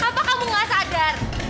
apa kamu gak sadar